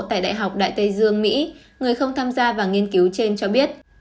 tại đại học đại tây dương mỹ người không tham gia vào nghiên cứu trên cho biết